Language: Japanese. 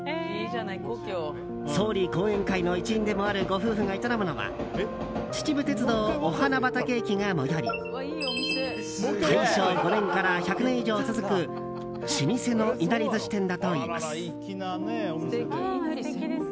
総理後援会の一員でもあるご夫婦が営むのは秩父鉄道御花畑駅が最寄り大正５年から１００年以上続く老舗のいなり寿司店だといいます。